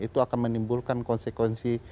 itu akan menimbulkan konsekuensi